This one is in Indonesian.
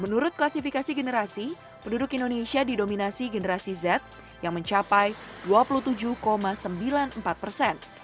menurut klasifikasi generasi penduduk indonesia didominasi generasi z yang mencapai dua puluh tujuh sembilan puluh empat persen